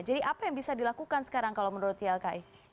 jadi apa yang bisa dilakukan sekarang kalau menurut ilki